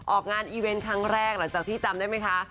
ออกงานอีเวนต์ครั้งแรกหลังจากที่จำได้ไหมคะ